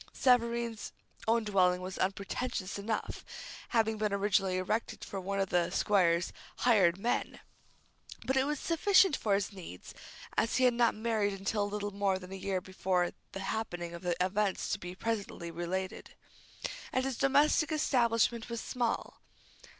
Savareen's own dwelling was unpretentious enough, having been originally erected for one of the squire's "hired men," but it was sufficient for his needs, as he had not married until a little more than a year before the happening of the events to be presently related, and his domestic establishment was small.